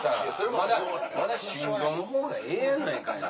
まだまだ心臓の方がええやないかいな。